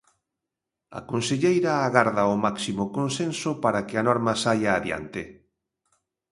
A conselleira agarda o máximo consenso para que a norma saia adiante.